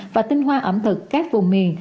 và tinh hoa ẩm thực các vùng miền